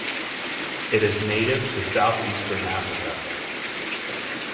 It is native to southeastern Africa.